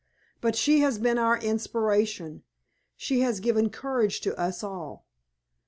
But she has been our inspiration, she has given courage to us all."